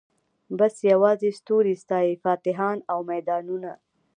بس یوازي توري ستايی فاتحان او میدانونه